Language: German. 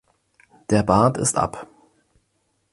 Der Bart ist ab.